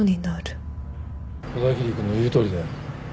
小田切君の言うとおりだよ。